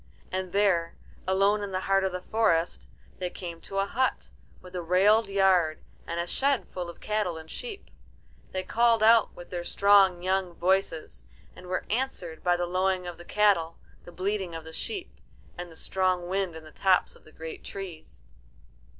And there, alone in the heart of the forest, they came to a hut, with a railed yard and a shed full of cattle and sheep. They called out with their strong young voices, and were answered by the lowing of the cattle, the bleating of the sheep, and the strong wind in the tops of the great trees.